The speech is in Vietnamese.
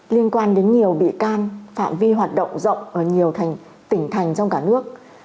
liên quan đến nhiều bị can phạm vi hoạt động rộng ở nhiều tỉnh thành trong cả nước